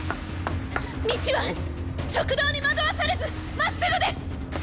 道はっ側道に惑わされずまっすぐです！